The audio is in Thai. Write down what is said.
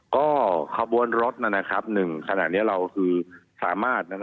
ก็ข้อบ้วนรถ๑ขณะนี้เราสามารถ